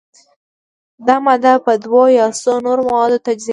دا ماده په دوو یا څو نورو موادو تجزیه کیږي.